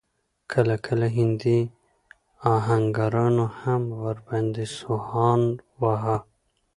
کله کله هندي اهنګرانو هم ور باندې سوهان واهه.